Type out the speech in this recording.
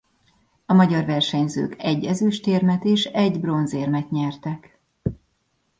A magyar versenyzők egy ezüstérmet és egy bronzérmet nyertek.